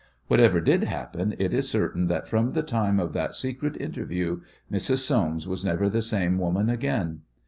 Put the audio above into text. Whatever did happen it is certain that from the time of that secret interview Mrs. Soames was never the same woman again.